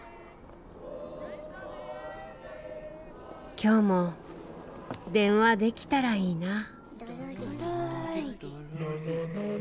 今日も電話できたらいいな。ああ。